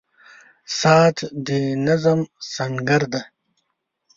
• ساعت د نظم سنګر دی.